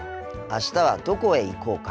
あしたはどこへ行こうか？